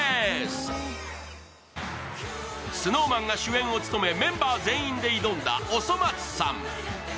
ＳｎｏｗＭａｎが主演を務め、メンバー全員で挑んだ「おそ松さん」。